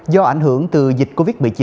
do ảnh hưởng từ dịch covid một mươi chín